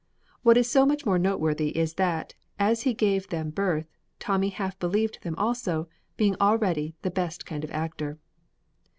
What is much more noteworthy is that, as he gave them birth, Tommy half believed them also, being already the best kind of actor.